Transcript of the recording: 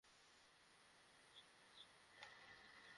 বলতে পারি না, আমি সেখানে ছিলাম না।